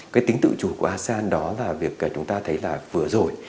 cái tính tự chủ của asean đó là việc chúng ta thấy là vừa rồi